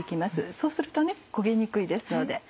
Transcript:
そうすると焦げにくいですので。